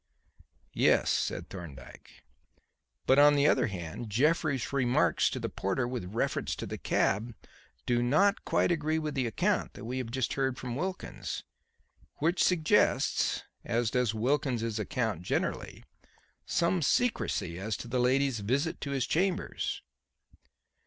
"Yes," said Thorndyke. "But, on the other hand, Jeffrey's remarks to the porter with reference to the cab do not quite agree with the account that we have just heard from Wilkins. Which suggests as does Wilkins's account generally some secrecy as to the lady's visit to his chambers."